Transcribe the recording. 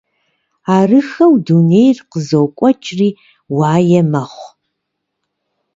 Арыххэу дунейр къызокӀуэкӀри уае мэхъу.